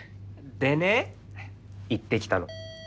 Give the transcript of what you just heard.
でね行ってきたの。